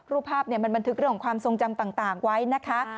รูปภาพมันบันทึกเรื่องของความทรงจำต่างไว้นะคะ